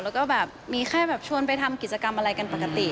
แล้วก็แบบมีแค่แบบชวนไปทำกิจกรรมอะไรกันปกติ